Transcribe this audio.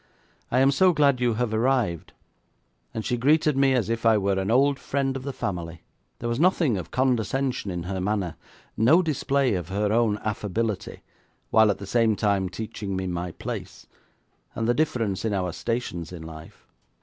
'I am so glad you have arrived,' and she greeted me as if I were an old friend of the family. There was nothing of condescension in her manner; no display of her own affability, while at the same time teaching me my place, and the difference in our stations of life.